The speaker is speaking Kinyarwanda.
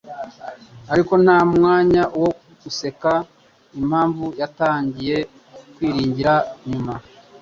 Ariko nta mwanya wo guseka 'impamvu yatangiye kwiringira nyuma,